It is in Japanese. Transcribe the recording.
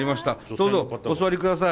どうぞお座りください。